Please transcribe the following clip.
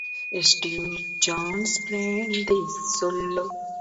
Steve Jones played the second solo.